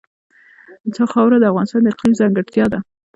خاوره د افغانستان د اقلیم ځانګړتیا ده.